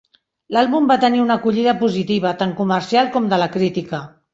L'àlbum va tenir una acollida positiva, tant comercial com de la crítica.